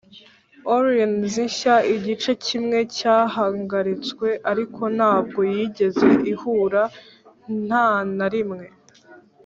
orleans nshya, igice kimwe cyahagaritswe, ariko ntabwo yigeze ihura, ntanarimwe